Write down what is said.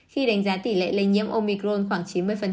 khi đánh giá tỷ lệ lây nhiễm omicron khoảng chín mươi